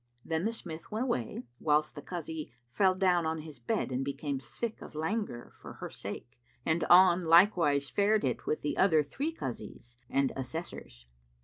Then the smith went away, whilst the Kazi fell down on his bed and became sick of langour for her sake, and on like wise fared it with the other three Kazis and assessors.